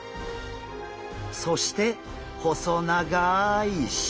そして細長い尻尾！